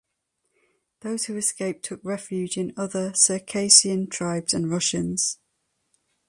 Those who escaped took refuge in other Circassian tribes and Russians.